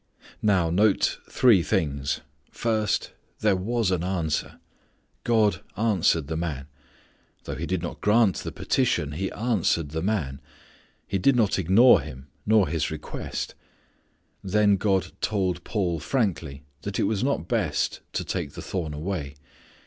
Now note three things: First, There was an answer. God answered the man. Though He did not grant the petition, He answered the man. He did not ignore him nor his request. Then God told Paul frankly that it was not best to take the thorn away.